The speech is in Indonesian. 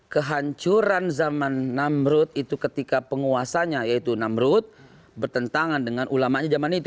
kehancuran zaman namrud itu ketika penguasanya yaitu namrud bertentangan dengan ulama zaman itu